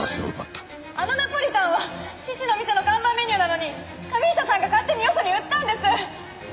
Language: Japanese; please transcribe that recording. あのナポリタンは父の店の看板メニューなのに神下さんが勝手によそに売ったんです！